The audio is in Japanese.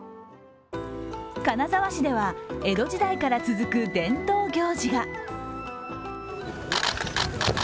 金沢市では江戸時代から続く伝統行事が。